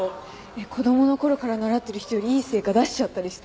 子供のころから習ってる人よりいい成果出しちゃったりして。